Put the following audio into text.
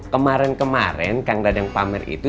kemarin kemarin kang dadang pamer itu